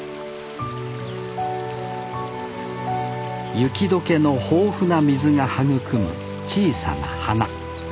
雪解けの豊富な水が育む小さな花